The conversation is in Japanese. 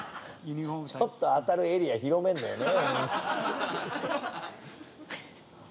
ちょっと当たるエリア広めんのよね。